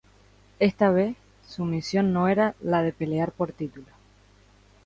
Esta vez, su misión no era la de pelear por títulos.